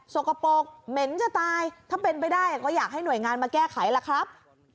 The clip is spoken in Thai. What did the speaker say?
สกปรกเหม็นจะตายถ้าเป็นไปได้ก็อยากให้หน่วยงานมาแก้ไขล่ะครับ